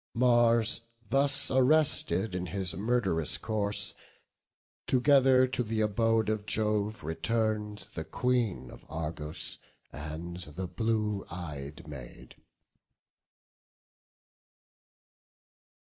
Mars thus arrested in his murd'rous course, Together to th' abode of Jove return'd The Queen of Argos and the blue ey'd Maid.